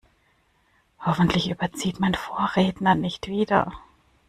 Hoffentlich überzieht mein Vorredner nicht wieder.